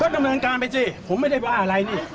ดำเนินการไปสิผมไม่ได้ว่าอะไรนี่